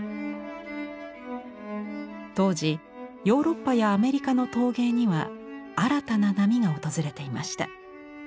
当時ヨーロッパやアメリカの陶芸には新たな波が訪れていました。